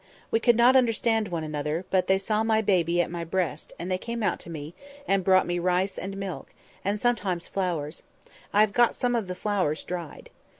We could not understand one another; but they saw my baby on my breast, and they came out to me, and brought me rice and milk, and sometimes flowers—I have got some of the flowers dried.